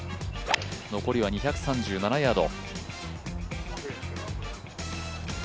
残りは２３７ヤード。